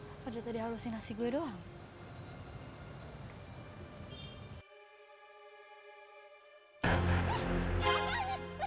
atau dia tadi halusin nasi gue doang